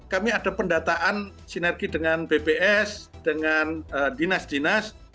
kami ada pendataan sinergi dengan bps dengan dinas dinas